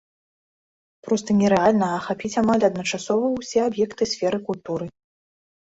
Проста нерэальна ахапіць амаль адначасова ўсе аб'екты сферы культуры.